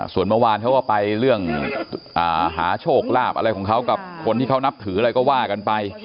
ส่วนเมื่อวานเขาก็ไปเรื่องหาโชคลาภอะไรของเขากับคนที่เขานับถืออะไรก็ว่ากันไป